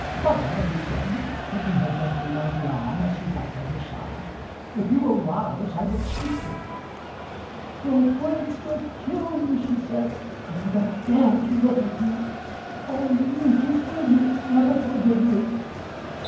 "Mother," he said, taking her gently by the arm as he knelt at her side, "if you will rise I will speak to you." "Your words will kill me," she said. "I do not dare to look at you. Oh! Lucius, will you ever forgive me?"